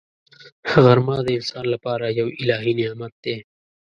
غرمه د انسان لپاره یو الهي نعمت دی